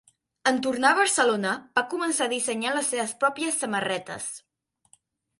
En tornar a Barcelona va començar a dissenyar les seves pròpies samarretes.